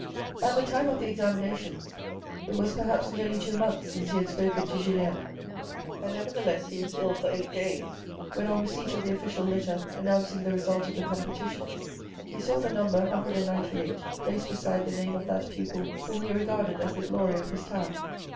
At the time of the examinations, it was perhaps nearly two months since he had spoken to Julien, and nevertheless, he was ill for eight days when, on receipt of the official letter announcing the result of the competition, he saw the number 198 placed beside the name of that pupil whom he regarded as the glory of his town.